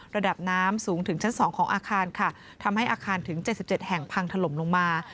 ระดับน้ำสูงถึงชั้น๒ของอาคารค่ะทำให้อาคารถึง๗๗แห่งพังถล่มลงมา